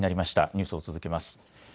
ニュースを続けます。